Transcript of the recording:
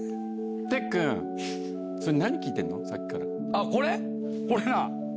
あっこれ？